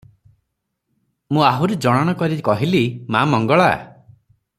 ମୁଁ ଆହୁରି ଜଣାଣ କରି କହିଲି, 'ମା ମଙ୍ଗଳା!